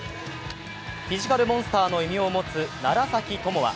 フィジカルモンスターの異名を持つ楢崎智亜。